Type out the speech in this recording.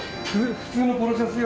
普通のポロシャツよ。